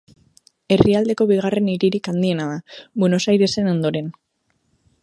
Herrialdeko bigarren hiririk handiena da, Buenos Airesen ondoren.